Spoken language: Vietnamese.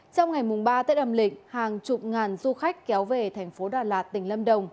trong ngày ba tết âm lịch hàng chục ngàn du khách kéo về thành phố đà lạt tỉnh lâm đồng